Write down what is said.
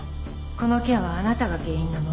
この件はあなたが原因なの？